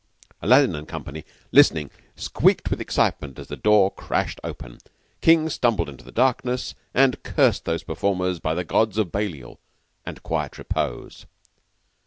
Aladdin and company, listening, squeaked with excitement as the door crashed open. King stumbled into the darkness, and cursed those performers by the gods of Balliol and quiet repose.